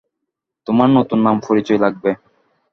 তোমার নতুন নাম-পরিচয় লাগবে।